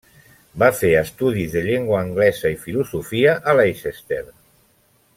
Va fer estudis de llengua anglesa i filosofia a Leicester.